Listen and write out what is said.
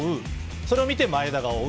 それを見て前田が追う。